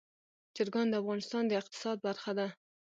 چرګان د افغانستان د اقتصاد برخه ده.